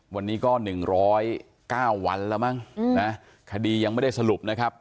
วันนี้ก็๑๐๙วันแล้วมั้งนะคดียังไม่ได้สรุปนะครับ